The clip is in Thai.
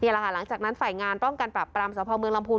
หลังจากนั้นฝ่ายงานป้องกันปรับปรามสพเมืองลำพูน